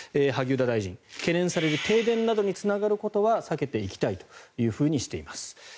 萩生田大臣、懸念される停電などにつながることは避けていきたいとしています。